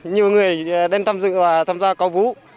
nhiều người đến tham dự và tham gia cao vũ